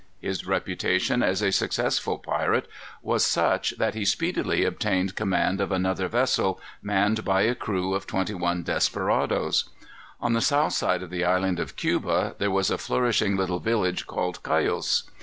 His reputation as a successful pirate was such, that he speedily obtained command of another vessel, manned by a crew of twenty one desperadoes. On the south side of the Island of Cuba, there was a flourishing little village called Cayos.